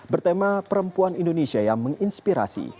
bertema perempuan indonesia yang menginspirasi